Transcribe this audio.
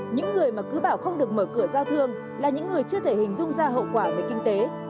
những người mà cứ bảo không được mở cửa giao thương là những người chưa thể hình dung ra hậu quả về kinh tế